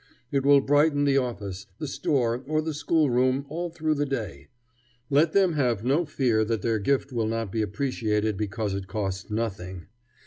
It will brighten the office, the store, or the schoolroom all through the day. Let them have no fear that their gift will not be appreciated because it costs nothing.